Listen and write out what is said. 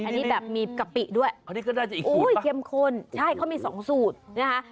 อันนี้แบบมีกะปิด้วยอันนี้ก็น่าจะอีกโอ้ยเข้มข้นใช่เขามีสองสูตรนะคะ